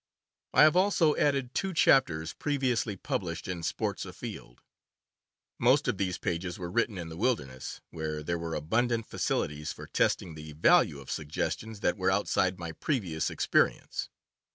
I have also added two chapters previously published in Sports Afield. Most of these pages were written in the wilderness, where there were abundant facilities for testing the value of suggestions that were outside my previous experience.